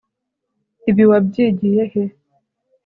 Ibi wabyigiye he